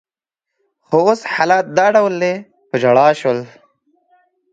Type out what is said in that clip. خو اوس حالت دا ډول دی، په ژړا شول.